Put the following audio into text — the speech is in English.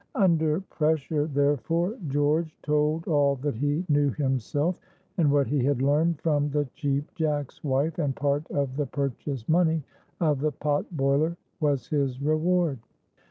Under pressure, therefore, George told all that he knew himself, and what he had learned from the Cheap Jack's wife, and part of the purchase money of the pot boiler was his reward.